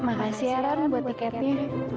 makasih ya ron buat tiketnya